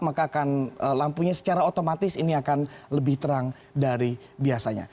maka akan lampunya secara otomatis ini akan lebih terang dari biasanya